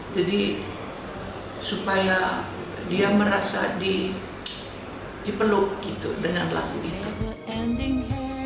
jadi supaya dia merasa dipeluk gitu dengan lagu itu